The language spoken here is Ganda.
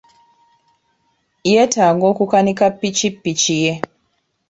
Yeetaaga okukanika ppikipiki ye.